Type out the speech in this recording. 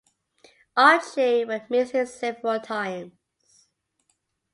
Archie went missing several times.